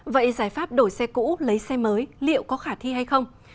vậy giải pháp đổi xe cũ lấy xe mới liệu có khả thi hay không